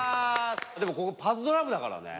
でもここパズドラ部だからね。